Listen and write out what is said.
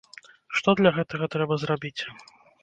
Што для гэтага трэба зрабіць?